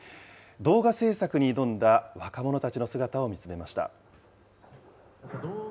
動画制作に挑んだ若者たちの姿を見つめました。